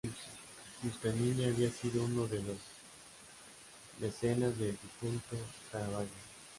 Giustiniani había sido uno de los mecenas del difunto Caravaggio.